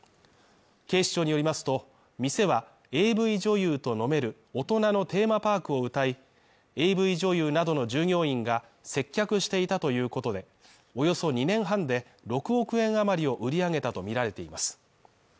警視庁によりますと、店はＡＶ女優と飲める大人のテーマパークをうたい、ＡＶ女優などの従業員が接客していたということで、およそ２年半で６億円余りを売り上げたとみられています。